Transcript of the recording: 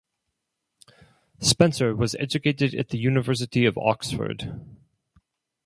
Spencer was educated at the University of Oxford.